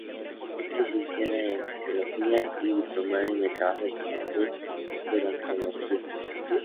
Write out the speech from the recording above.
Es licenciada en Psicología y diplomada en Trabajo Social y Gerontología.